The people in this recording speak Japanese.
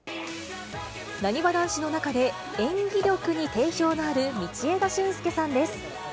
なにわ男子の中で、演技力に定評のある道枝駿佑さんです。